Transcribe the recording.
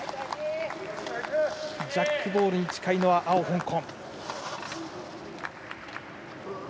ジャックボールに近いのは青、香港。